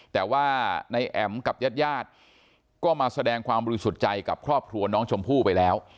แต่ว่าในแอ๋มกับญาติญาติก็มาแสดงความบริสุทธิ์ใจกับครอบครัวน้องชมพู่ไปแล้ว